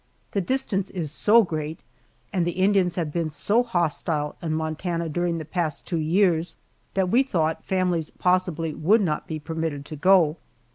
The distance is so great, and the Indians have been so hostile in Montana during the past two years, that we thought families possibly would not be permitted to go.